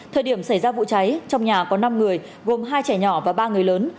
thời điểm xảy ra vụ cháy trong nhà có năm người gồm hai trẻ nhỏ và ba người lớn